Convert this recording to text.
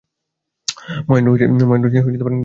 মহেন্দ্র নিরুত্তর হইয়া রহিল।